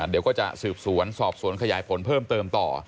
เดี๋ยวก็จะสืบสวนสอบสวนขยายผลเพิ่มเติมต่อ